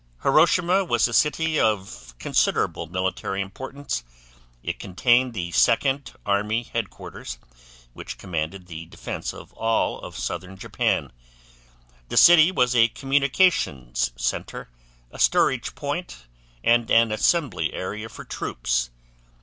Hiroshima was a city of considerable military importance. It contained the 2nd Army Headquarters, which commanded the defense of all of southern Japan. The city was a communications center, a storage point, and an assembly area for troops.